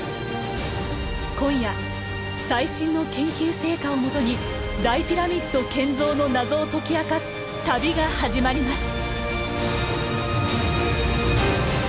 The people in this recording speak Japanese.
今夜最新の研究成果をもとに大ピラミッド建造の謎を解き明かす旅が始まります。